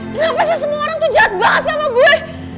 kenapa sih semua orang tuh jahat banget sama gue